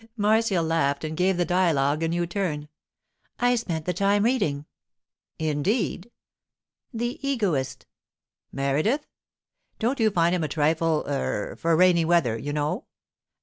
Marcia laughed and gave the dialogue a new turn. 'I spent the time reading.' 'Indeed?' 'The Egoist.' 'Meredith? Don't you find him a trifle—er—for rainy weather, you know?